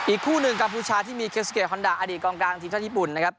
คู่หนึ่งกัมพูชาที่มีเคสเกฮอนดาอดีตกองกลางทีมชาติญี่ปุ่นนะครับ